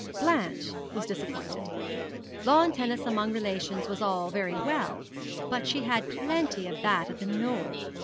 Blanche was disappointed. Lawn tennis among relations was all very well, but she had plenty of that at the Knoll.